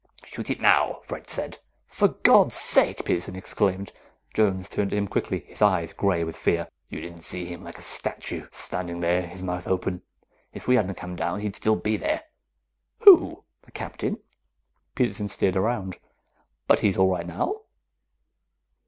"Shoot it now," French said. "For God's sake!" Peterson exclaimed. Jones turned to him quickly, his eyes gray with fear. "You didn't see him like a statue, standing there, his mouth open. If we hadn't come down, he'd still be there." "Who? The Captain?" Peterson stared around. "But he's all right now."